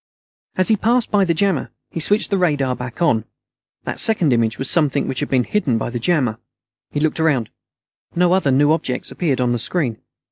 As he passed by the jammer, he switched the radar back on. That second image was something which had been hidden by the jammer. He looked around. No other new objects appeared on the screen.